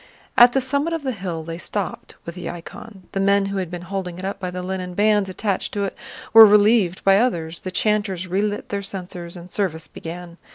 At the summit of the hill they stopped with the icon; the men who had been holding it up by the linen bands attached to it were relieved by others, the chanters relit their censers, and service began.